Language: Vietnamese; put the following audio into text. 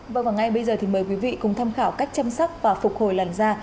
vâng và ngay bây giờ thì mời quý vị cùng tham khảo cách chăm sóc và phục hồi làn da